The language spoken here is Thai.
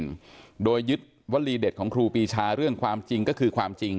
เลือกตั้งท้องถิ่นโดยยึดวัลีเด็ดของครูปีชาเรื่องความจริงก็คือความจริง